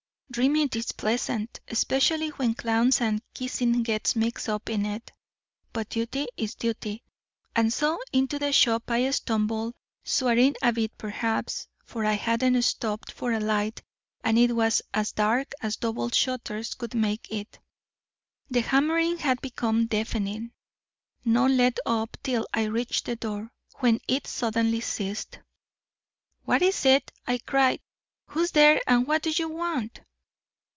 Dreaming is pleasant, specially when clowns and kissing get mixed up in it, but duty is duty, and so into the shop I stumbled, swearing a bit perhaps, for I hadn't stopped for a light and it was as dark as double shutters could make it. The hammering had become deafening. No let up till I reached the door, when it suddenly ceased. "'What is it?' I cried. 'Who's there and what do you want?'